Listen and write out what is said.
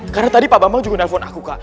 karena tadi pak bambang juga nelfon aku kak